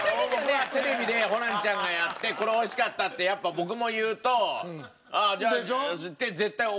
僕はテレビでホランちゃんがやってこれ美味しかったってやっぱ僕も言うと「あっじゃあ」って絶対怒られるから。